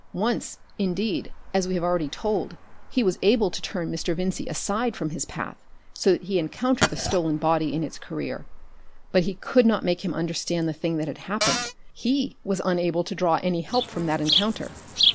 Once, indeed, as we have already told, he was able to turn Mr. Vincey aside from his path so that he encountered the stolen body in its career, but he could not make him understand the thing that had happened: he was unable to draw any help from that encounter....